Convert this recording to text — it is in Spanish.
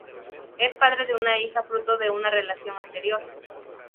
Es padre de una hija fruto de una relación anterior.